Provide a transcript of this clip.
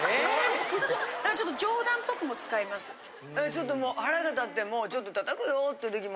ちょっともう腹が立ってもうちょっと叩くよっていう時も。